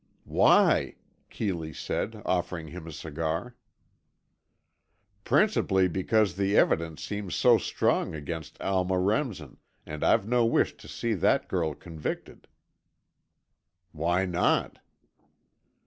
"Why?" Keeley said, offering him a cigar. "Principally because the evidence seems so strong against Alma Remsen, and I've no wish to see that girl convicted." "Why not?"